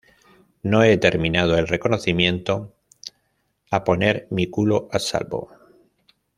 no he terminado el reconocimiento. a poner mi culo a salvo.